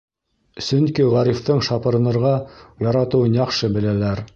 Сөнки Ғарифтың шапырынырға яратыуын яҡшы беләләр.